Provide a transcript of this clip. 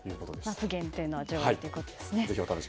夏限定の味わいということですね。